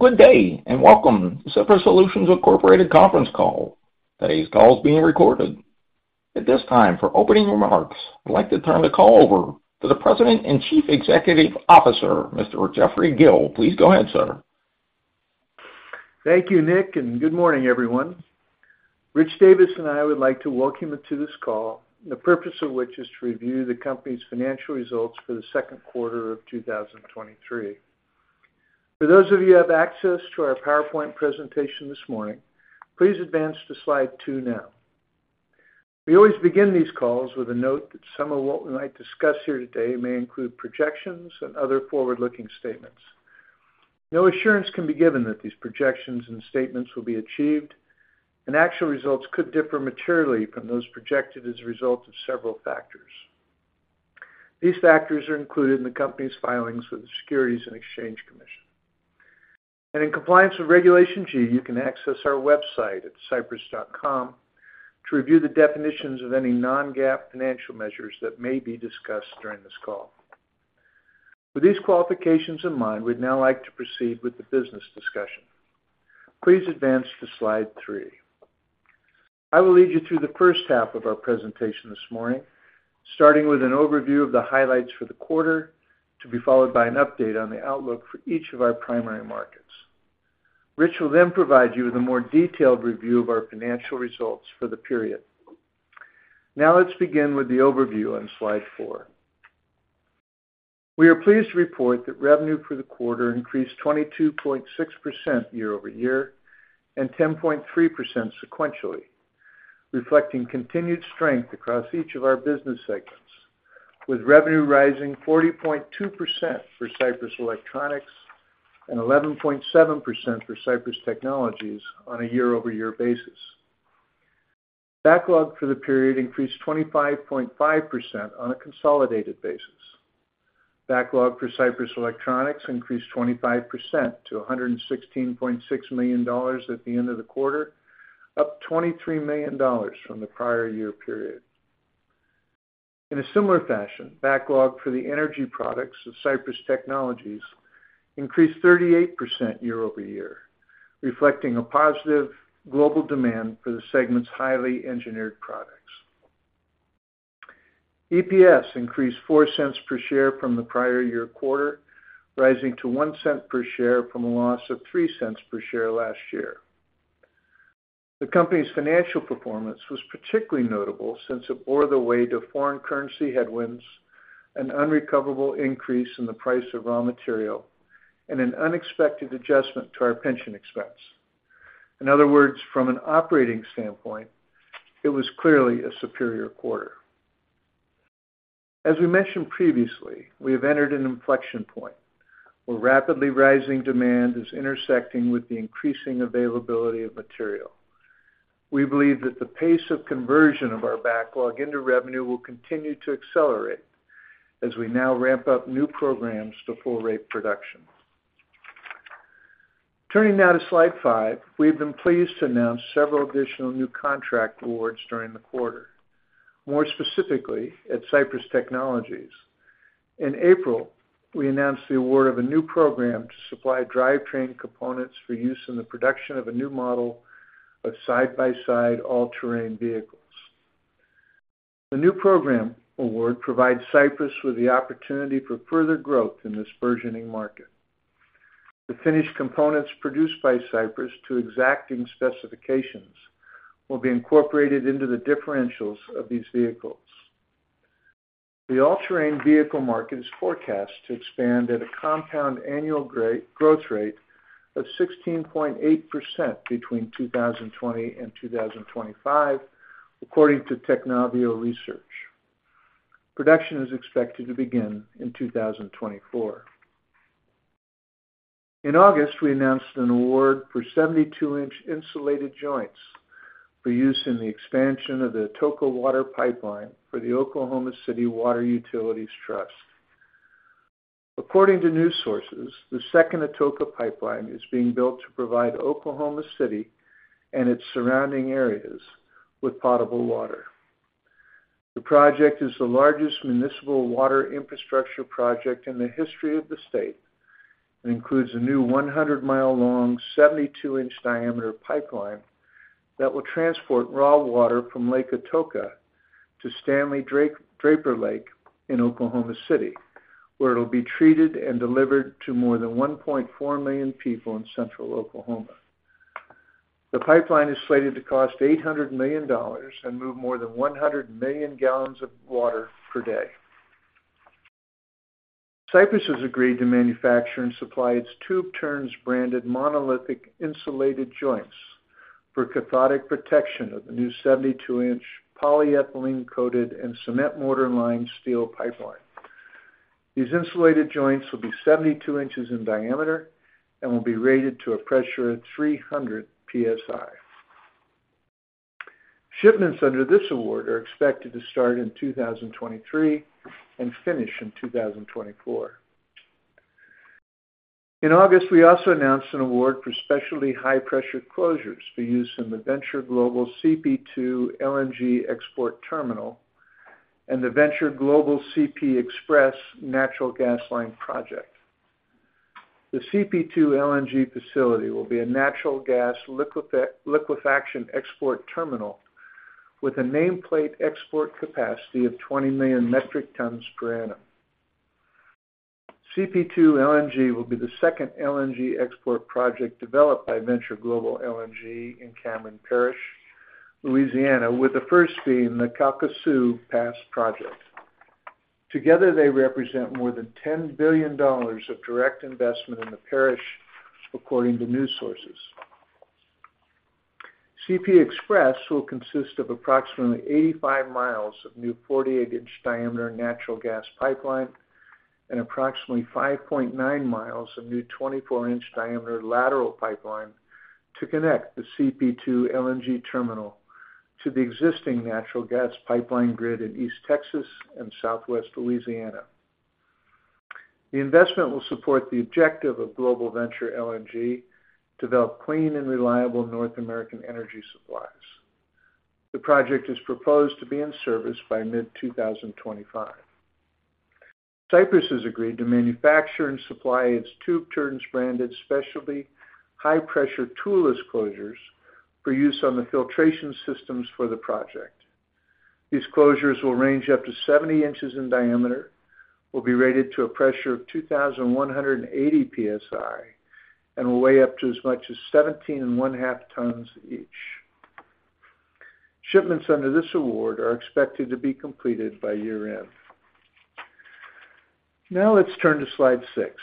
Good day, and welcome to Sypris Solutions Incorporated Conference Call. Today's call is being recorded. At this time, for opening remarks, I'd like to turn the call over to the President and Chief Executive Officer, Mr. Jeffrey Gill. Please go ahead, sir. Thank you, Nick, and good morning, everyone. Rich Davis and I would like to welcome you to this call, the purpose of which is to review the company's financial results for the 2nd quarter of 2023. For those of you who have access to our PowerPoint presentation this morning, please advance to slide 2 now. We always begin these calls with a note that some of what we might discuss here today may include projections and other forward-looking statements. No assurance can be given that these projections and statements will be achieved, and actual results could differ materially from those projected as a result of several factors. These factors are included in the company's filings with the Securities and Exchange Commission. In compliance with Regulation G, you can access our website at sypris.com to review the definitions of any non-GAAP financial measures that may be discussed during this call. With these qualifications in mind, we'd now like to proceed with the business discussion. Please advance to slide three. I will lead you through the first half of our presentation this morning, starting with an overview of the highlights for the quarter, to be followed by an update on the outlook for each of our primary markets. Rich will then provide you with a more detailed review of our financial results for the period. Let's begin with the overview on slide four. We are pleased to report that revenue for the quarter increased 22.6% year-over-year and 10.3% sequentially, reflecting continued strength across each of our business segments, with revenue rising 40.2% for Sypris Electronics and 11.7% for Sypris Technologies on a year-over-year basis. Backlog for the period increased 25.5% on a consolidated basis. Backlog for Sypris Electronics increased 25% to $116.6 million at the end of the quarter, up $23 million from the prior year period. In a similar fashion, backlog for the energy products of Sypris Technologies increased 38% year-over-year, reflecting a positive global demand for the segment's highly engineered products. EPS increased $0.04 per share from the prior year quarter, rising to $0.01 per share from a loss of $0.03 per share last year. The company's financial performance was particularly notable since it bore the weight of foreign currency headwinds, an unrecoverable increase in the price of raw material, and an unexpected adjustment to our pension expense. In other words, from an operating standpoint, it was clearly a superior quarter. As we mentioned previously, we have entered an inflection point, where rapidly rising demand is intersecting with the increasing availability of material. We believe that the pace of conversion of our backlog into revenue will continue to accelerate as we now ramp up new programs to full rate production. Turning now to slide 5, we've been pleased to announce several additional new contract awards during the quarter. More specifically, at Sypris Technologies. In April, we announced the award of a new program to supply drivetrain components for use in the production of a new model of side-by-side all-terrain vehicles. The new program award provides Sypris with the opportunity for further growth in this burgeoning market. The finished components produced by Sypris to exacting specifications will be incorporated into the differentials of these vehicles. The all-terrain vehicle market is forecast to expand at a compound annual growth rate of 16.8% between 2020 and 2025, according to Technavio. Production is expected to begin in 2024. In August, we announced an award for 72-inch insulated joints for use in the expansion of the Atoka Water Pipeline for the Oklahoma City Water Utilities Trust. According to news sources, the second Atoka pipeline is being built to provide Oklahoma City and its surrounding areas with potable water. The project is the largest municipal water infrastructure project in the history of the state, and includes a new 100-mile long, 72-inch diameter pipeline that will transport raw water from Lake Atoka to Stanley Draper, Draper Lake in Oklahoma City, where it'll be treated and delivered to more than 1.4 million people in central Oklahoma. The pipeline is slated to cost $800 million and move more than 100 million gallons of water per day. Sypris has agreed to manufacture and supply its Tube Turns, branded Monolithic Insulated Joints for cathodic protection of the new 72-inch polyethylene-coated and cement mortar lined steel pipeline. These insulated joints will be 72 inches in diameter and will be rated to a pressure of 300 PSI. Shipments under this award are expected to start in 2023 and finish in 2024. In August, we also announced an award for specialty high-pressure closures to be used in the Venture Global CP2 LNG export terminal and the Venture Global CP Express Natural Gas Line Project. The CP2 LNG facility will be a natural gas liquefaction export terminal, with a nameplate export capacity of 20 million metric tons per annum. CP2 LNG will be the second LNG export project developed by Venture Global LNG in Cameron Parish, Louisiana, with the first being the Calcasieu Pass project. Together, they represent more than $10 billion of direct investment in the parish, according to news sources. CP Express will consist of approximately 85 miles of new 48-inch diameter natural gas pipeline and approximately 5.9 miles of new 24-inch diameter lateral pipeline to connect the CP2 LNG terminal to the existing natural gas pipeline grid in East Texas and Southwest Louisiana. The investment will support the objective of Venture Global LNG, develop clean and reliable North American energy supplies. The project is proposed to be in service by mid-2025. Sypris has agreed to manufacture and supply its Tube Turns branded specialty, high-pressure Tool-less closures for use on the filtration systems for the project. These closures will range up to 70 inches in diameter, will be rated to a pressure of 2,180 PSI, and will weigh up to as much as 17.5 tons each. Shipments under this award are expected to be completed by year-end. Now, let's turn to slide six.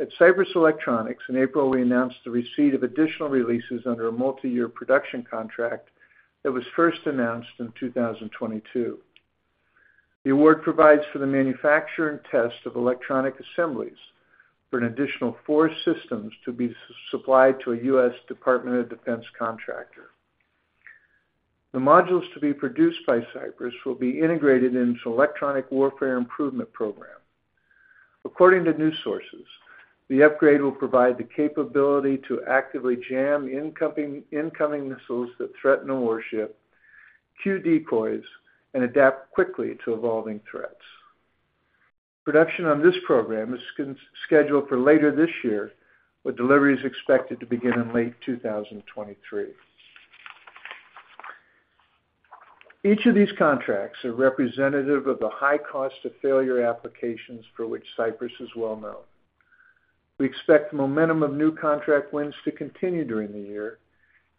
At Sypris Electronics, in April, we announced the receipt of additional releases under a multi-year production contract that was first announced in 2022. The award provides for the manufacture and test of electronic assemblies for an additional 4 systems to be supplied to a U.S. Department of Defense contractor. The modules to be produced by Sypris will be integrated into Electronic Warfare Improvement Program. According to news sources, the upgrade will provide the capability to actively jam incoming, incoming missiles that threaten a warship, cue decoys, and adapt quickly to evolving threats. Production on this program is scheduled for later this year, with deliveries expected to begin in late 2023. Each of these contracts are representative of the high cost of failure applications for which Sypris is well known. We expect the momentum of new contract wins to continue during the year,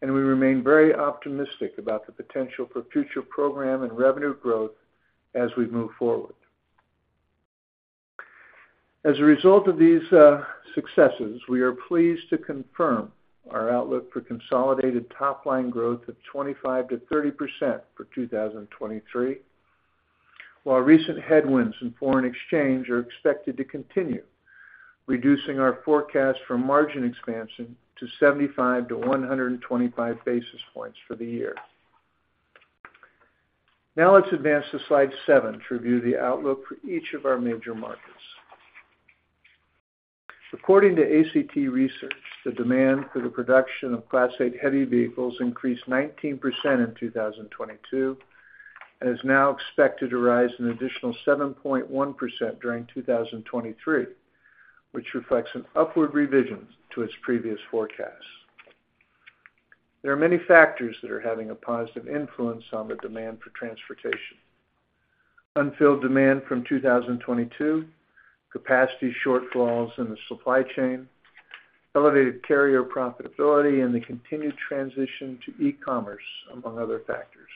we remain very optimistic about the potential for future program and revenue growth as we move forward. As a result of these successes, we are pleased to confirm our outlook for consolidated top-line growth of 25%-30% for 2023, while recent headwinds in foreign exchange are expected to continue, reducing our forecast for margin expansion to 75-125 basis points for the year. Let's advance to slide 7 to review the outlook for each of our major markets. According to ACT Research, the demand for the production of Class 8 heavy vehicles increased 19% in 2022, is now expected to rise an additional 7.1% during 2023, which reflects an upward revision to its previous forecast. There are many factors that are having a positive influence on the demand for transportation. Unfilled demand from 2022, capacity shortfalls in the supply chain, elevated carrier profitability, and the continued transition to e-commerce, among other factors.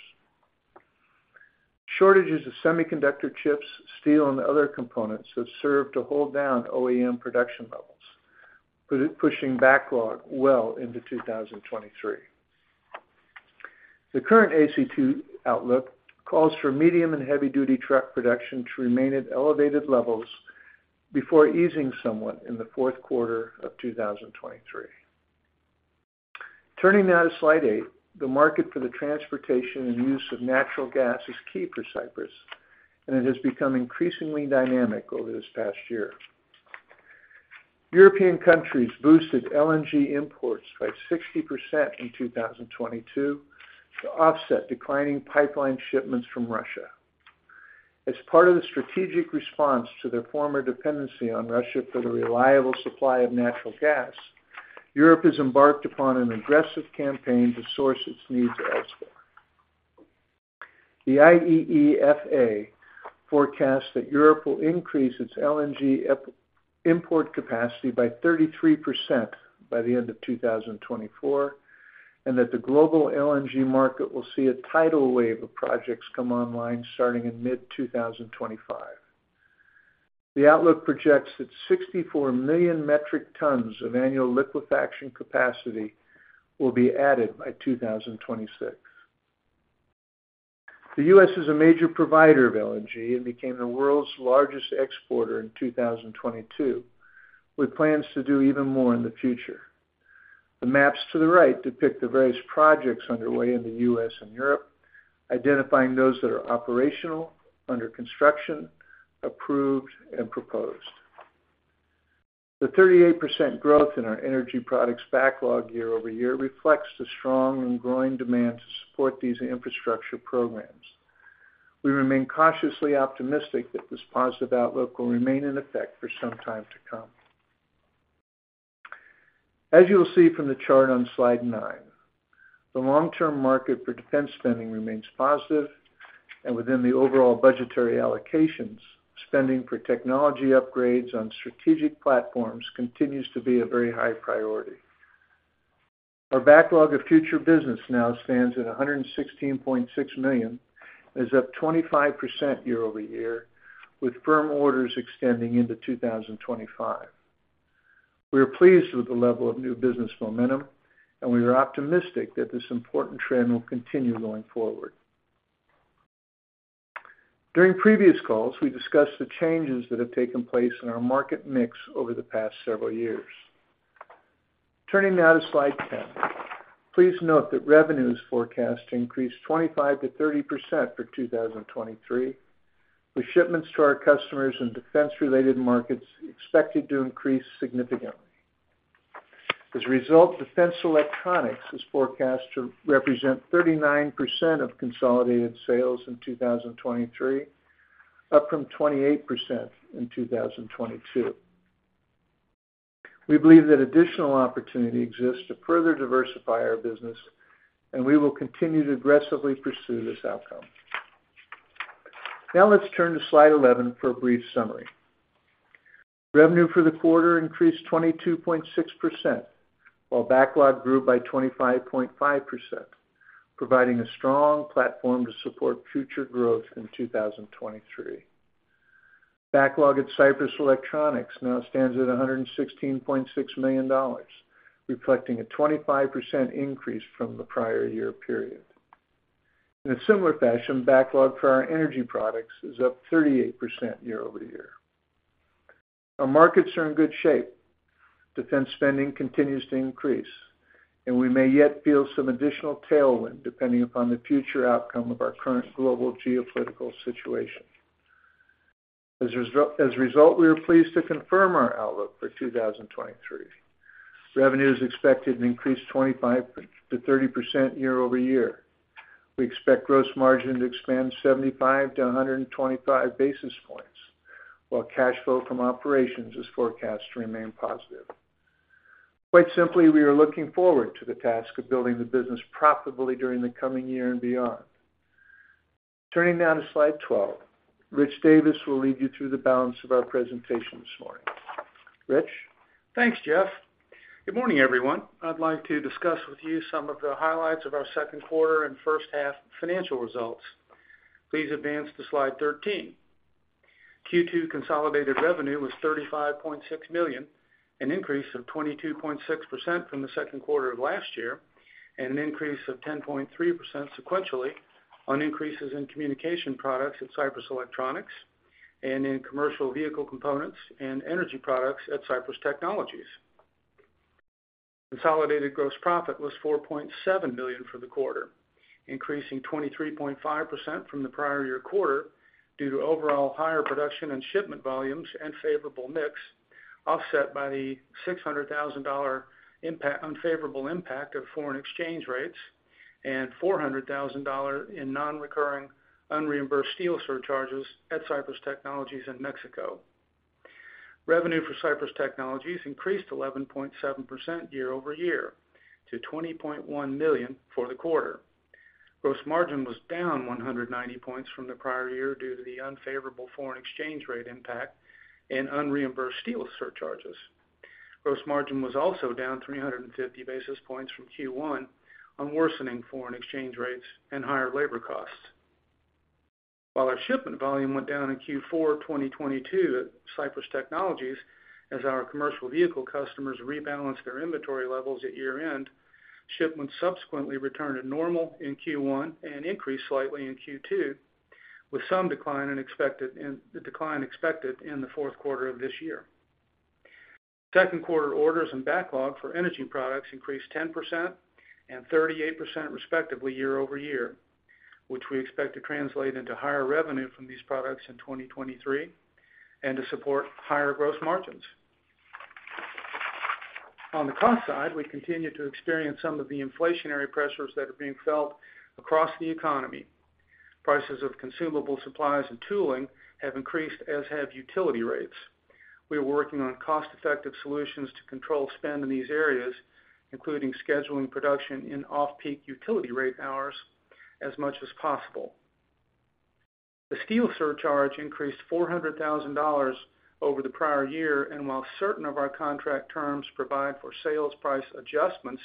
Shortages of semiconductor chips, steel, and other components have served to hold down OEM production levels, pushing backlog well into 2023. The current ACT outlook calls for medium and heavy-duty truck production to remain at elevated levels before easing somewhat in the fourth quarter of 2023. Turning now to slide eight, the market for the transportation and use of natural gas is key for Sypris, and it has become increasingly dynamic over this past year. European countries boosted LNG imports by 60% in 2022 to offset declining pipeline shipments from Russia. As part of the strategic response to their former dependency on Russia for the reliable supply of natural gas, Europe has embarked upon an aggressive campaign to source its needs elsewhere. The IEEFA forecasts that Europe will increase its LNG import capacity by 33% by the end of 2024, and that the global LNG market will see a tidal wave of projects come online starting in mid-2025. The outlook projects that 64 million metric tons of annual liquefaction capacity will be added by 2026. The U.S. is a major provider of LNG and became the world's largest exporter in 2022, with plans to do even more in the future. The maps to the right depict the various projects underway in the U.S. and Europe, identifying those that are operational, under construction, approved, and proposed. The 38% growth in our energy products backlog year-over-year reflects the strong and growing demand to support these infrastructure programs. We remain cautiously optimistic that this positive outlook will remain in effect for some time to come. As you will see from the chart on slide 9, the long-term market for defense spending remains positive, and within the overall budgetary allocations, spending for technology upgrades on strategic platforms continues to be a very high priority. Our backlog of future business now stands at $116.6 million, is up 25% year-over-year, with firm orders extending into 2025. We are pleased with the level of new business momentum, and we are optimistic that this important trend will continue going forward. During previous calls, we discussed the changes that have taken place in our market mix over the past several years. Turning now to slide 10, please note that revenue is forecast to increase 25%-30% for 2023, with shipments to our customers in defense-related markets expected to increase significantly. As a result, defense electronics is forecast to represent 39% of consolidated sales in 2023, up from 28% in 2022. We believe that additional opportunity exists to further diversify our business, and we will continue to aggressively pursue this outcome. Now let's turn to slide 11 for a brief summary. Revenue for the quarter increased 22.6%, while backlog grew by 25.5%, providing a strong platform to support future growth in 2023. Backlog at Sypris Electronics now stands at $116.6 million, reflecting a 25% increase from the prior year period. In a similar fashion, backlog for our energy products is up 38% year-over-year. Our markets are in good shape. Defense spending continues to increase, and we may yet feel some additional tailwind depending upon the future outcome of our current global geopolitical situation. As a result, we are pleased to confirm our outlook for 2023. Revenue is expected to increase 25%-30% year-over-year. We expect gross margin to expand 75-125 basis points, while cash flow from operations is forecast to remain positive. Quite simply, we are looking forward to the task of building the business profitably during the coming year and beyond. Turning now to slide 12, Rich Davis will lead you through the balance of our presentation this morning. Rich? Thanks, Jeff. Good morning, everyone. I'd like to discuss with you some of the highlights of our second quarter and first half financial results. Please advance to slide 13. Q2 consolidated revenue was $35.6 million, an increase of 22.6% from the second quarter of last year, an increase of 10.3% sequentially on increases in communication products at Sypris Electronics and in commercial vehicle components and energy products at Sypris Technologies. Consolidated gross profit was $4.7 million for the quarter, increasing 23.5% from the prior year quarter due to overall higher production and shipment volumes and favorable mix, offset by the $600,000 unfavorable impact of foreign exchange rates and $400,000 in nonrecurring, unreimbursed steel surcharges at Sypris Technologies in Mexico. Revenue for Sypris Technologies increased 11.7% year-over-year to $20.1 million for the quarter. Gross margin was down 190 points from the prior year due to the unfavorable foreign exchange rate impact and unreimbursed steel surcharges. Gross margin was also down 350 basis points from Q1 on worsening foreign exchange rates and higher labor costs. While our shipment volume went down in Q4 of 2022 at Sypris Technologies, as our commercial vehicle customers rebalanced their inventory levels at year-end, shipments subsequently returned to normal in Q1 and increased slightly in Q2, with some decline expected in the fourth quarter of this year. Second quarter orders and backlog for energy products increased 10% and 38%, respectively, year-over-year, which we expect to translate into higher revenue from these products in 2023 and to support higher gross margins. On the cost side, we continue to experience some of the inflationary pressures that are being felt across the economy. Prices of consumable supplies and tooling have increased, as have utility rates. We are working on cost-effective solutions to control spend in these areas, including scheduling production in off-peak utility rate hours as much as possible. The steel surcharge increased $400,000 over the prior year, while certain of our contract terms provide for sales price adjustments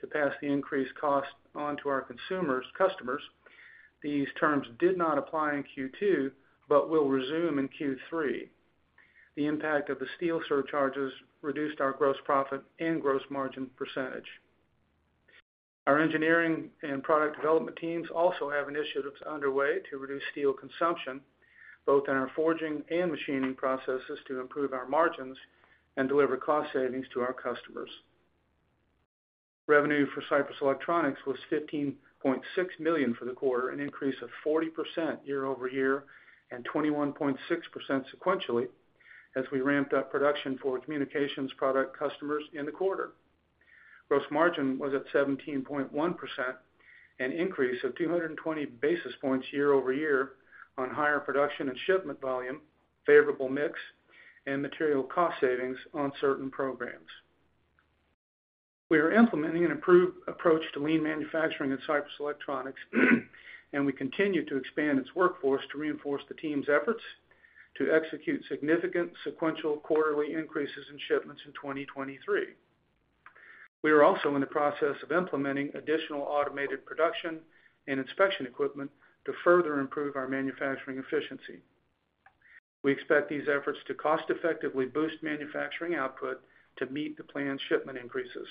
to pass the increased cost on to our consumers, customers, these terms did not apply in Q2, but will resume in Q3. The impact of the steel surcharges reduced our gross profit and gross margin percentage. Our engineering and product development teams also have initiatives underway to reduce steel consumption, both in our forging and machining processes, to improve our margins and deliver cost savings to our customers.... Revenue for Sypris Electronics was $15.6 million for the quarter, an increase of 40% year-over-year, and 21.6% sequentially, as we ramped up production for communications product customers in the quarter. Gross margin was at 17.1%, an increase of 220 basis points year-over-year on higher production and shipment volume, favorable mix, and material cost savings on certain programs. We are implementing an improved approach to lean manufacturing at Sypris Electronics, we continue to expand its workforce to reinforce the team's efforts to execute significant sequential quarterly increases in shipments in 2023. We are also in the process of implementing additional automated production and inspection equipment to further improve our manufacturing efficiency. We expect these efforts to cost effectively boost manufacturing output to meet the planned shipment increases.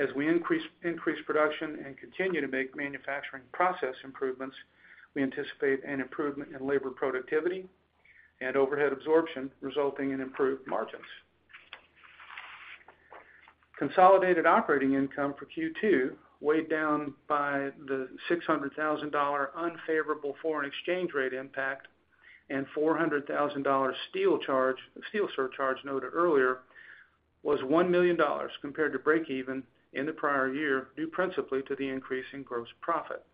As we increase production and continue to make manufacturing process improvements, we anticipate an improvement in labor productivity and overhead absorption, resulting in improved margins. Consolidated operating income for Q2, weighed down by the $600,000 unfavorable foreign exchange rate impact and $400,000 steel charge, steel surcharge noted earlier, was $1 million compared to breakeven in the prior year, due principally to the increase in gross profit.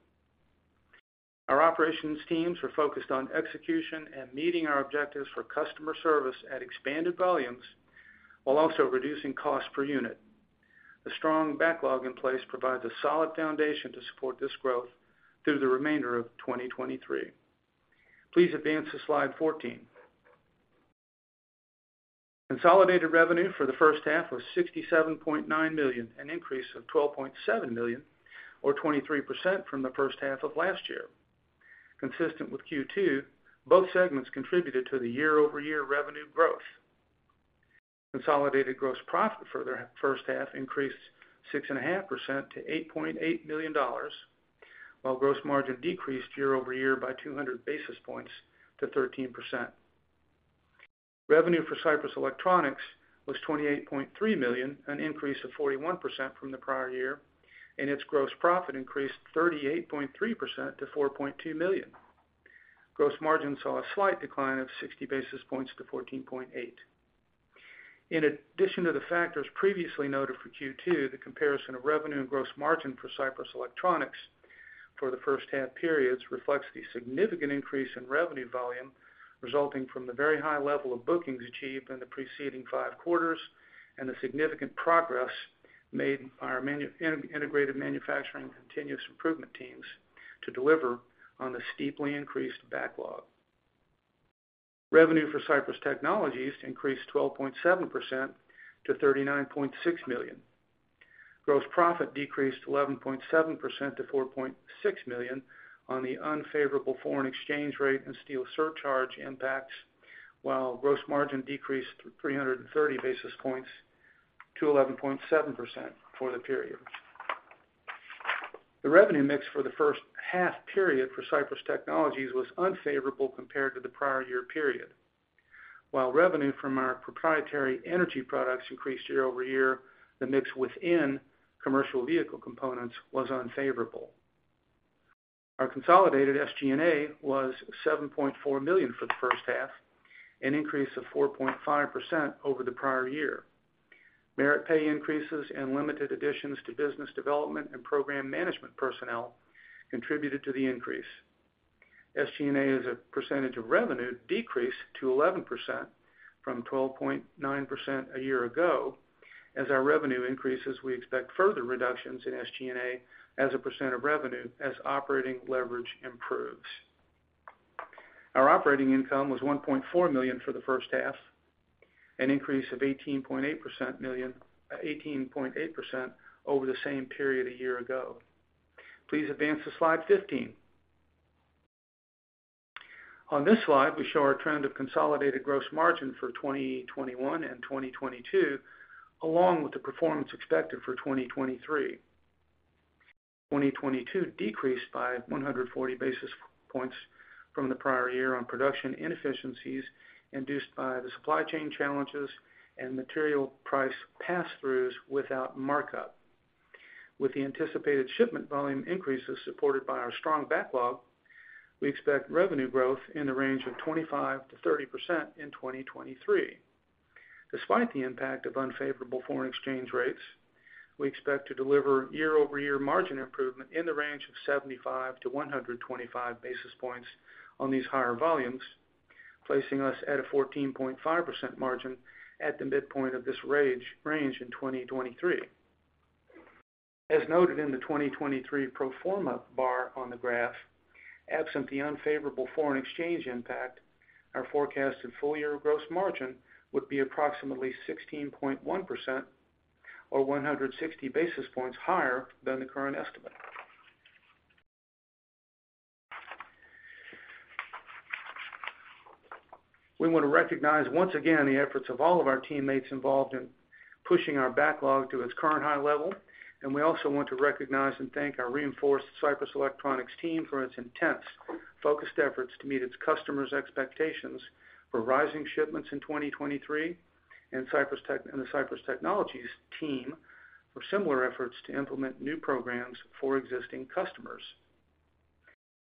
Our operations teams are focused on execution and meeting our objectives for customer service at expanded volumes, while also reducing cost per unit. The strong backlog in place provides a solid foundation to support this growth through the remainder of 2023. Please advance to Slide 14. Consolidated revenue for the first half was $67.9 million, an increase of $12.7 million, or 23% from the first half of last year. Consistent with Q2, both segments contributed to the year-over-year revenue growth. Consolidated gross profit for the first half increased 6.5% to $8.8 million, while gross margin decreased year-over-year by 200 basis points to 13%. Revenue for Sypris Electronics was $28.3 million, an increase of 41% from the prior year, and its gross profit increased 38.3% to $4.2 million. Gross margin saw a slight decline of 60 basis points to 14.8. In addition to the factors previously noted for Q2, the comparison of revenue and gross margin for Sypris Electronics for the first half periods reflects the significant increase in revenue volume, resulting from the very high level of bookings achieved in the preceding five quarters, and the significant progress made by our integrated manufacturing continuous improvement teams to deliver on the steeply increased backlog. Revenue for Sypris Technologies increased 12.7% to $39.6 million. Gross profit decreased 11.7% to $4.6 million on the unfavorable foreign exchange rate and steel surcharge impacts, while gross margin decreased 330 basis points to 11.7% for the period. The revenue mix for the first half period for Sypris Technologies was unfavorable compared to the prior year period. While revenue from our proprietary energy products increased year-over-year, the mix within commercial vehicle components was unfavorable. Our consolidated SG&A was $7.4 million for the first half, an increase of 4.5% over the prior year. Merit pay increases and limited additions to business development and program management personnel contributed to the increase. SG&A as a percentage of revenue decreased to 11% from 12.9% a year ago. As our revenue increases, we expect further reductions in SG&A as a % of revenue, as operating leverage improves. Our operating income was $1.4 million for the first half, an increase of 18.8% over the same period a year ago. Please advance to slide 15. On this slide, we show our trend of consolidated gross margin for 2021 and 2022, along with the performance expected for 2023. 2022 decreased by 140 basis points from the prior year on production inefficiencies induced by the supply chain challenges and material price pass-throughs without markup. With the anticipated shipment volume increases supported by our strong backlog, we expect revenue growth in the range of 25%-30% in 2023. Despite the impact of unfavorable foreign exchange rates, we expect to deliver year-over-year margin improvement in the range of 75-125 basis points on these higher volumes, placing us at a 14.5% margin at the midpoint of this range in 2023. As noted in the 2023 pro forma bar on the graph, absent the unfavorable foreign exchange impact, our forecasted full year gross margin would be approximately 16.1% or 160 basis points higher than the current estimate. We want to recognize, once again, the efforts of all of our teammates involved in pushing our backlog to its current high level. We also want to recognize and thank our reinforced Sypris Electronics team for its intense focused efforts to meet its customers' expectations for rising shipments in 2023, and the Sypris Technologies team for similar efforts to implement new programs for existing customers.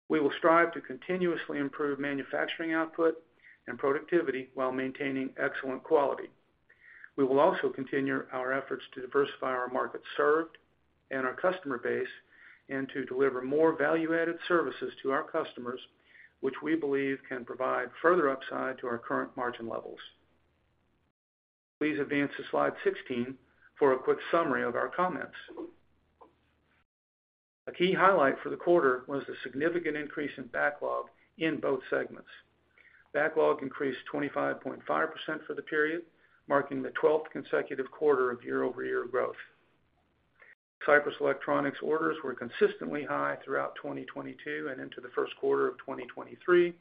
We will strive to continuously improve manufacturing output and productivity while maintaining excellent quality. We will also continue our efforts to diversify our market served and our customer base, and to deliver more value-added services to our customers, which we believe can provide further upside to our current margin levels. Please advance to slide 16 for a quick summary of our comments. A key highlight for the quarter was the significant increase in backlog in both segments. Backlog increased 25.5% for the period, marking the 12th consecutive quarter of year-over-year growth. Sypris Electronics orders were consistently high throughout 2022 and into the 1st quarter of 2023,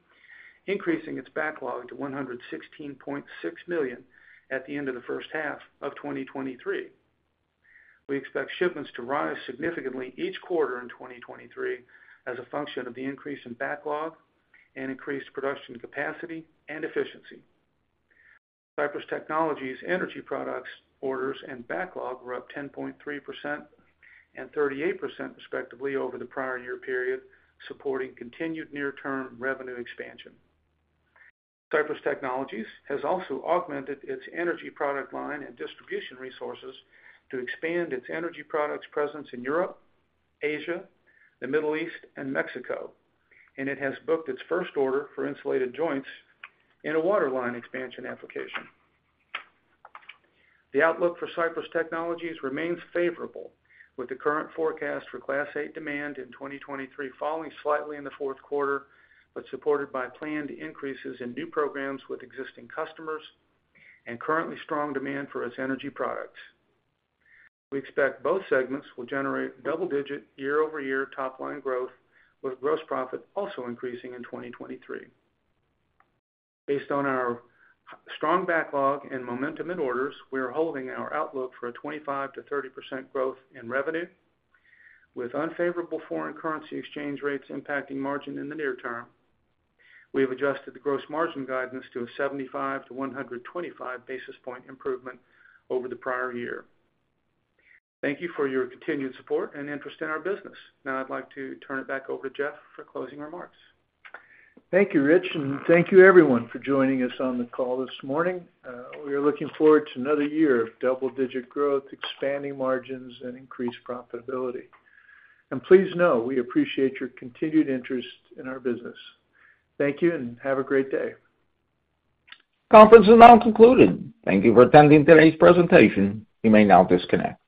increasing its backlog to $116.6 million at the end of the 1st half of 2023. We expect shipments to rise significantly each quarter in 2023 as a function of the increase in backlog and increased production capacity and efficiency. Sypris Technologies energy products, orders, and backlog were up 10.3% and 38%, respectively, over the prior year period, supporting continued near-term revenue expansion. Sypris Technologies has also augmented its energy product line and distribution resources to expand its energy products presence in Europe, Asia, the Middle East, and Mexico, and it has booked its 1st order for insulated joints in a waterline expansion application. The outlook for Sypris Technologies remains favorable, with the current forecast for Class 8 demand in 2023 falling slightly in the fourth quarter, but supported by planned increases in new programs with existing customers and currently strong demand for its energy products. We expect both segments will generate double-digit year-over-year top line growth, with gross profit also increasing in 2023. Based on our strong backlog and momentum in orders, we are holding our outlook for a 25%-30% growth in revenue, with unfavorable foreign currency exchange rates impacting margin in the near term. We have adjusted the gross margin guidance to a 75-125 basis point improvement over the prior year. Thank you for your continued support and interest in our business. Now I'd like to turn it back over to Jeff for closing remarks. Thank you, Rich, and thank you everyone for joining us on the call this morning. We are looking forward to another year of double-digit growth, expanding margins, and increased profitability. Please know we appreciate your continued interest in our business. Thank you, and have a great day. Conference is now concluded. Thank you for attending today's presentation. You may now disconnect.